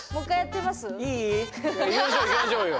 いい？いきましょういきましょうよ。